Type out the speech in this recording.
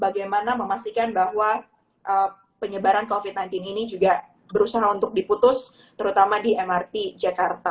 bagaimana memastikan bahwa penyebaran covid sembilan belas ini juga berusaha untuk diputus terutama di mrt jakarta